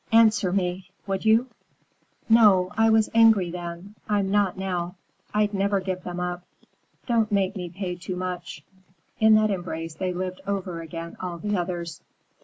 "Answer me, would you?" "No, I was angry then. I'm not now. I'd never give them up. Don't make me pay too much." In that embrace they lived over again all the others.